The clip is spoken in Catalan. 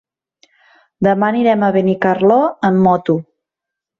Demà anirem a Benicarló amb moto.